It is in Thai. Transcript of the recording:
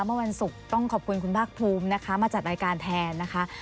เมื่อวันศุกร์ต้องขอบคุณคุณภาคภูมินะคะมาจัดรายการแทนนะคะ